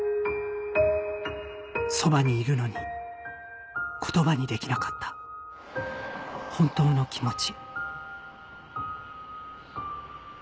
そばにいるのに言葉にできなかった本当の気持ち